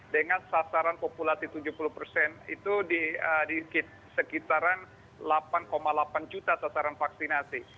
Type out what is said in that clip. dengan sasaran populasi tujuh puluh persen itu di sekitaran delapan delapan juta sasaran vaksinasi